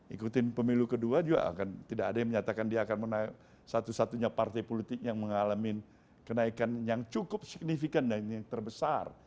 ikutin pemilu kedua juga tidak ada yang menyatakan dia akan menang satu satunya partai politik yang mengalami kenaikan yang cukup signifikan dan yang terbesar